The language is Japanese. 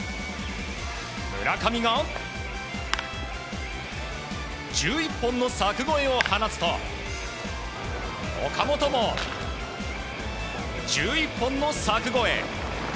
村上が１１本の柵越えを放つと岡本も１１本の柵越え。